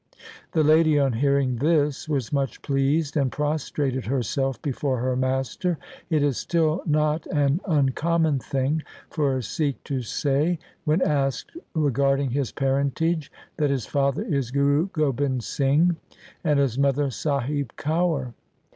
The lady on hearing this was much pleased, and prostrated herself before her master. It is still not an uncommon thing for a Sikh to say, when asked regarding his parentage, that his father is Guru Gobind Singh, and his mother Sahib Kaur.